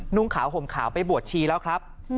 นุ่งขาวห่มขาวไปบวชชีแล้วครับ